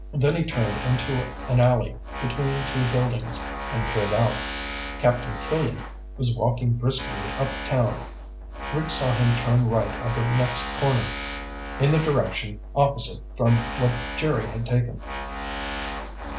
Then he turned into an alley between two buildings and peered out. Captain Killian was walking briskly uptown. Rick saw him turn right at the next corner, in the direction opposite from that Jerry had taken.